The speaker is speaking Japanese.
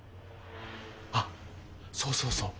あっそうそうそう。